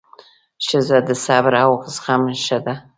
ښځه د صبر او زغم نښه ده.